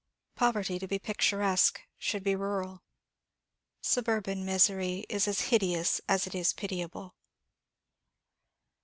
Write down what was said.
Poverty, to be picturesque, should be rural. Suburban misery is as hideous as it is pitiable.